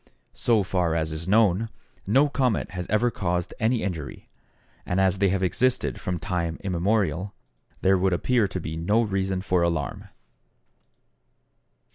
So far as is known, no comet has ever caused any injury, and as they have existed from time immemorial, there would appear to be no reason for alarm.